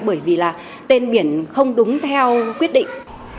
bởi vì là tên biển không đúng theo quyết định